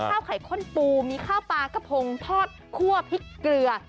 ข้าวไข่ข้นปูมีข้าวปลากระพงทอดคั่วพริกเกลือ